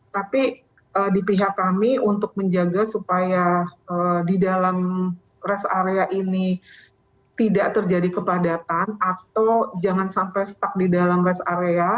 tapi di pihak kami untuk menjaga supaya di dalam rest area ini tidak terjadi kepadatan atau jangan sampai stuck di dalam rest area